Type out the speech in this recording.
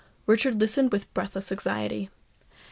Richard listened with breathless anxiety.